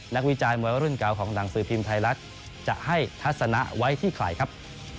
วิจารณ์มวยรุ่นเก่าของหนังสือพิมพ์ไทยรัฐจะให้ทัศนะไว้ที่ใครครับ